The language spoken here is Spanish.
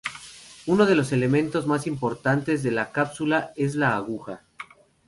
Uno de los elementos más importantes de la cápsula es la aguja.